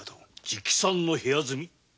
直参の部屋住み。